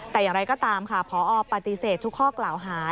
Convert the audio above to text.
แต่อย่างไรก็ตามค่ะพอปฏิเสธทุกข้อกล่าวหา